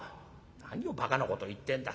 「何をばかなこと言ってんだ。